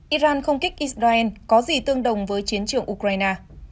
iran không kích israel có gì tương đồng với chiến trường ukraine